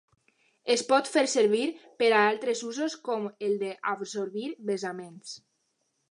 Es pot fer servir per a altres usos com el d'absorbir vessaments.